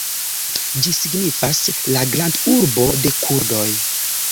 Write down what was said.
Ĝi signifas: la "grandurbo de kurdoj".